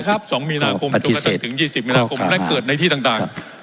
สิบสองมีนาคมจนกระจำถึงยี่สิบมีนาคมและเกิดในที่ต่างต่างครับ